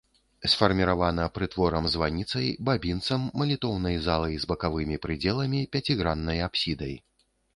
Сфарміравана прытворам-званіцай, бабінцам, малітоўнай залай з бакавымі прыдзеламі, пяціграннай апсідай.